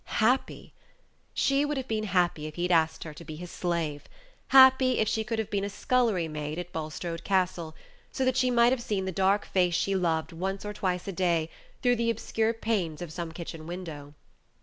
Happy! She would have been happy if he had asked her to be his slave happy if she could have been a scullery maid at Bulstrode Castle, so that she might have seen the dark face she loved once or twice a day through the obscure panes of some kitchen window.